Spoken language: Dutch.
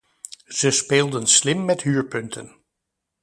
Ze speelden slim met huurpunten.